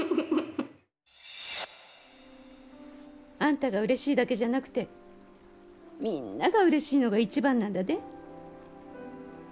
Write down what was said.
あんたがうれしいだけじゃなくてみぃんながうれしいのが一番なんだで。